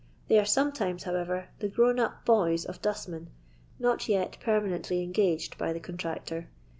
They are sometimes, howoYer, the grown ap boys of dustmen, not yet permanently engaged by the contractor.